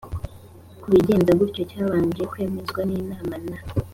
kubigenza gutyo cyabanje kwemezwa n inama nta